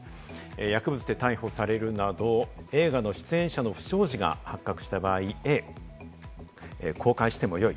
薬物で逮捕されるなど映画の出演者の不祥事が発覚した場合、Ａ・公開してもよい。